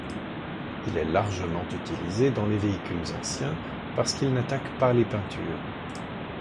Il est largement utilisé dans les véhicules anciens parce qu'il n'attaque pas les peintures.